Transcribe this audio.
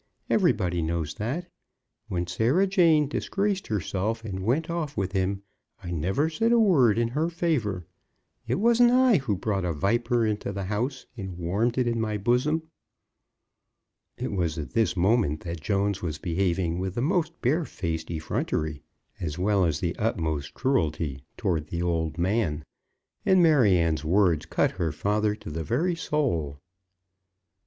Everybody knows that. When Sarah Jane disgraced herself, and went off with him, I never said a word in her favour. It wasn't I who brought a viper into the house and warmed it in my bosom." It was at this moment that Jones was behaving with the most barefaced effrontery, as well as the utmost cruelty, towards the old man, and Maryanne's words cut her father to the very soul.